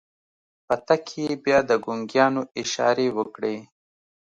په تګ کې يې بيا د ګونګيانو اشارې وکړې.